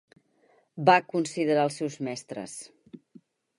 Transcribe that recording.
Va considerar els seus mestres: